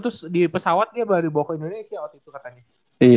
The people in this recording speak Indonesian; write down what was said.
terus di pesawat dia baru bawa ke indonesia waktu itu katanya